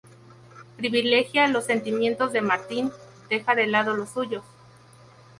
Privilegia los sentimientos de Martín, deja de lado los suyos.